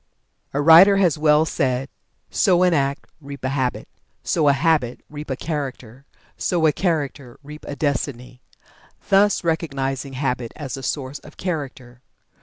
A writer has well said: "Sow an act, reap a habit; sow a habit, reap a character; sow a character, reap a destiny," thus recognizing habit as the source of character.